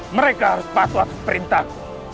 mereka harus patuh atas perintah